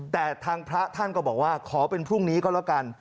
แต่ทางพระท่านก็บอกว่าขอเป็นพรุ่งนี้ก็แล้วกัน